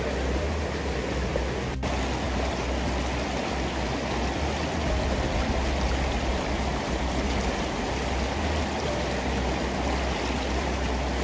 เมื่อเวลาอันดับสุดท้ายมันกลายเป็นภูมิที่สุดท้าย